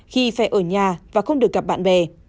khi phải ở nhà và không được gặp bạn bè